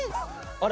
あれ？